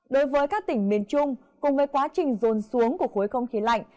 đối với các tỉnh miền trung cùng với quá trình rồn xuống của khối không khí lạnh